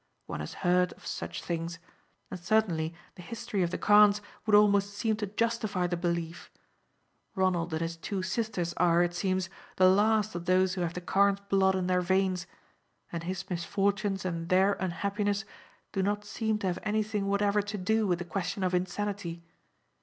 One has heard of such things, and certainly the history of the Carnes would almost seem to justify the belief. Ronald and his two sisters are, it seems, the last of those who have the Carnes' blood in their veins, and his misfortunes and their unhappiness do not seem to have anything whatever to do with the question of insanity.